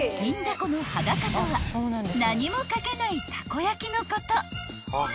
このはだかとは何も掛けないたこ焼のこと］